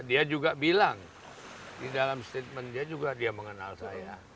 dia juga bilang di dalam statement dia juga dia mengenal saya